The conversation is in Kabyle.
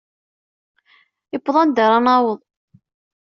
Iwweḍ anda ara naweḍ.